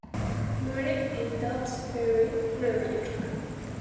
Muere en Dobbs Ferry, Nueva York.